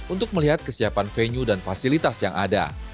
untuk melihat kesiapan venue dan fasilitas yang ada